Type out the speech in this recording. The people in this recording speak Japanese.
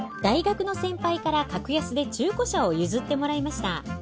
大学の先輩から格安で中古車を譲ってもらいました。